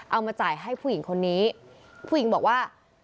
เอามาจ่ายให้ผู้หญิงคนนี้ผู้หญิงบอกว่า